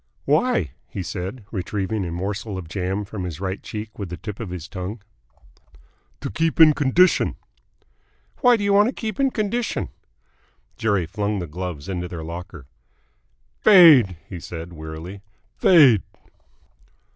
"Why?" he said, retrieving a morsel of jam from his right cheek with the tip of his tongue. "To keep in condition." "Why do you want to keep in condition?" Jerry flung the gloves into their locker. "Fade!" he said wearily. "Fade!"